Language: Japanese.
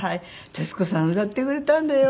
「徹子さん歌ってくれたんだよ」